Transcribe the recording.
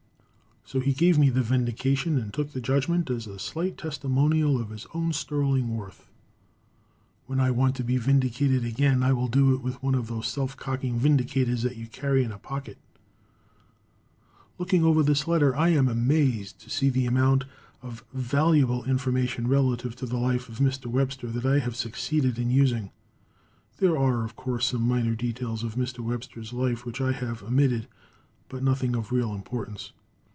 So he gave me the vindication and took the judgment as a slight testimonial of his own sterling worth. When I want to be vindicated again I will do it with one of those self cocking vindicators that you can carry in a pocket. Looking over this letter, I am amazed to see the amount of valuable information relative to the life of Mr. Webster that I have succeeded in using. There are, of course, some minor details of Mr. Webster's life which I have omitted, but nothing of real importance.